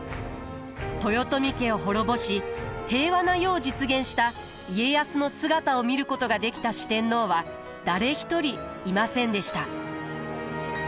豊臣家を滅ぼし平和な世を実現した家康の姿を見ることができた四天王は誰一人いませんでした。